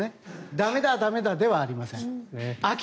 駄目だ駄目だではありません。